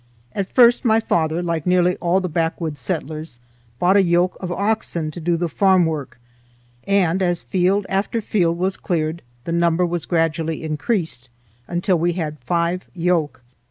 At first my father, like nearly all the backwoods settlers, bought a yoke of oxen to do the farm work, and as field after field was cleared, the number was gradually increased until we had five yoke.